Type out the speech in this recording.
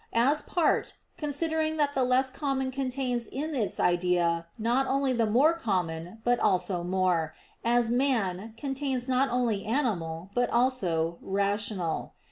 As part, considering that the less common contains in its idea not only the more common, but also more; as "man" contains not only "animal" but also "rational."